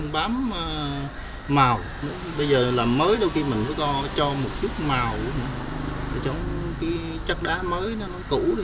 bây giờ là mới đâu khi mình có cho một chút màu trong cái chất đá mới nó cũ đi